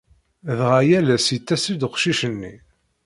Dɣa yal ass yettas-d uqcic-nni.